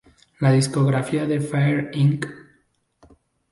La discografía de Fire Inc.